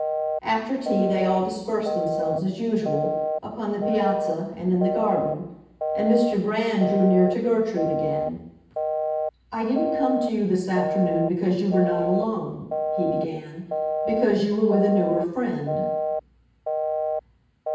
After tea they all dispersed themselves, as usual, upon the piazza and in the garden; and Mr. Brand drew near to Gertrude again. "I didn't come to you this afternoon because you were not alone," he began; "because you were with a newer friend."